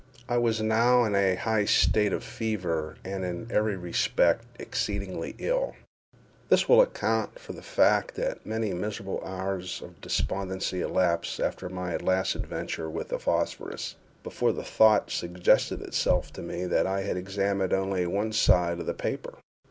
I was now in a high state of fever, and in every respect exceedingly ill. This will account for the fact that many miserable hours of despondency elapsed after my last adventure with the phosphorus, before the thought suggested itself that I had examined only one side of the paper.